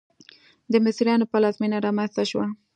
د مصریانو پلازمېنه رامنځته شوه.